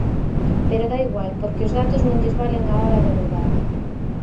Pero dá igual, porque os datos non lles valen á hora da verdade.